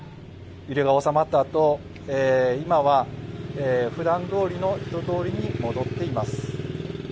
揺れが治まったあと今は、ふだんどおりの人通りに戻っています。